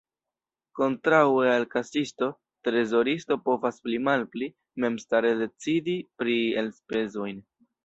Kontraŭe al kasisto, trezoristo povas pli-malpli memstare decidi pri elspezojn.